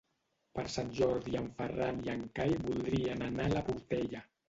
Per Sant Jordi en Ferran i en Cai voldrien anar a la Portella.